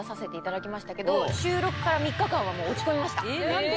何で？